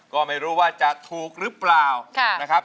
ก็ไม่รู้ว่าจะถูกหรือเปล่านะครับ